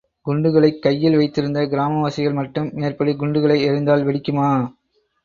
குண்டுகளைக் கையில் வைத்திருந்த கிராமவாசிகள் மட்டும், மேற்படி குண்டுகளை எறிந்தால் வெடிக்குமா?